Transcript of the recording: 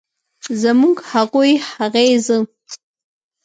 زموږ، هغوی ، هغې ،زه